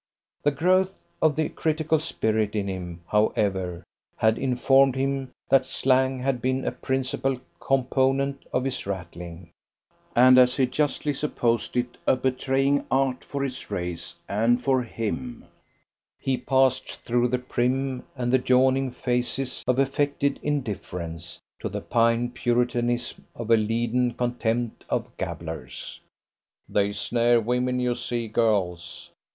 The growth of the critical spirit in him, however, had informed him that slang had been a principal component of his rattling; and as he justly supposed it a betraying art for his race and for him, he passed through the prim and the yawning phases of affected indifference, to the pine Puritanism of a leaden contempt of gabblers. They snare women, you see girls!